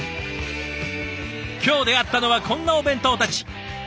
今日出会ったのはこんなお弁当たち。